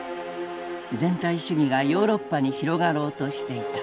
全体主義がヨーロッパに広がろうとしていた。